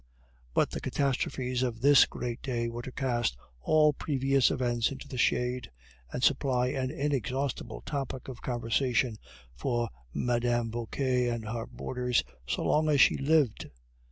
But the catastrophes of this great day were to cast all previous events into the shade, and supply an inexhaustible topic of conversation for Mme. Vauquer and her boarders so long as she lived.